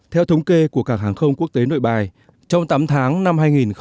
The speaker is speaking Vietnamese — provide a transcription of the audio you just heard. theo thống kê của cảng hàng không quốc tế nội bài trong tám tháng năm hai nghìn một mươi chín